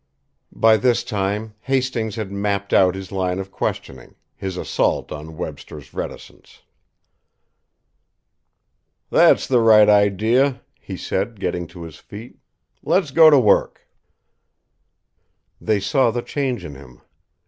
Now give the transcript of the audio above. By this time, Hastings had mapped out his line of questioning, his assault on Webster's reticence. "That's the right idea!" he said, getting to his feet. "Let's go to work." They saw the change in him.